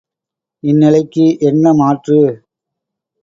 இந்நிலைக்கு என்ன மாற்று?